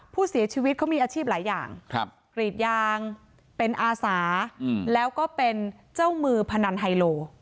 ผู้เสียชีวิตเขามีอาชีพหลายอย่างกรีดยางเป็นอาสาแล้วก็เป็นเจ้ามือพนันไฮโล